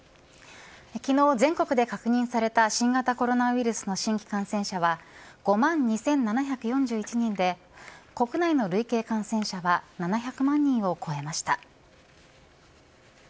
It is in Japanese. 昨日、全国で確認された新型コロナウイルスの新規感染者は５万２７４１人で国内の累計感染者は７００万人を超えました。